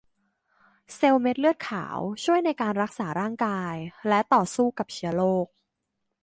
เซลล์เม็ดเลือดขาวช่วยในการรักษาร่างกายและต่อสู้กับเชื้อโรค